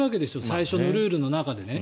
最初のルールの中でね。